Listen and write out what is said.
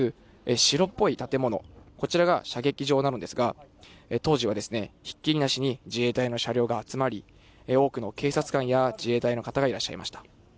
白っぽい建物、こちらが射撃場なのですが、当時はひっきりなしに自衛隊の車両が集まり、多くの警察官や自衛隊の方がいらっしゃいました。